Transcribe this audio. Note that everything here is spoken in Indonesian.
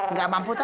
nggak mampu toh